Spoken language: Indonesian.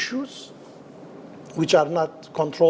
yang tidak bisa dikontrol